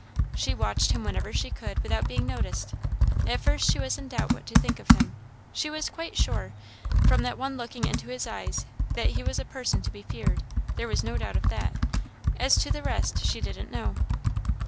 She watched him whenever she could without being noticed. At first she was in doubt what to think of him; she was quite sure, from that one looking into his eyes, that he was a person to be feared; there was no doubt of that; as to the rest she didn't know.